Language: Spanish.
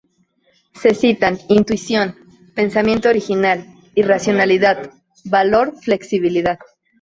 Se citan: "intuición", "Pensamiento original", "irracionalidad", "valor", "flexibilidad".